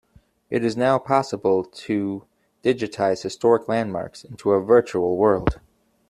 It is now possible to digitize historic landmarks into the virtual world.